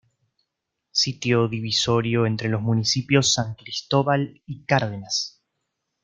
Sitio divisorio entre los municipios San Cristóbal y Cárdenas.